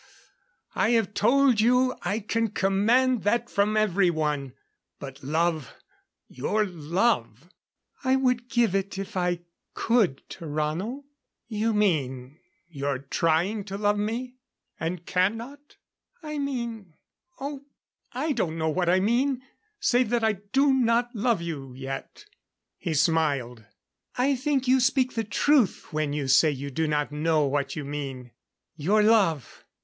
I have told you I can command that from everyone. But love your love " "I would give it if I could, Tarrano." "You mean you're trying to love me and cannot?" "I mean Oh, I don't know what I mean, save that I do not love you yet." He smiled. "I think you speak the truth when you say you do not know what you mean. Your love!